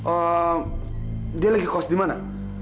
ehm dia lagi kuas dimana